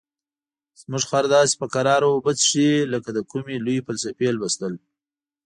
زموږ خر داسې په کراره اوبه څښي لکه د کومې لویې فلسفې لوستل.